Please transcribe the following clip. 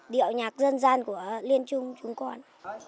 điệu nhạc dân dân của liên trung chúng con